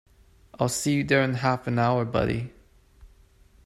I'll see you there in half an hour buddy.